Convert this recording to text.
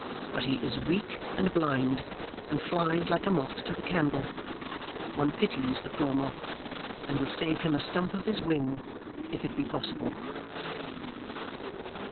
But he is weak and blind, and flies like a moth to the candle; one pities the poor moth, and would save him a stump of his wing if it be possible."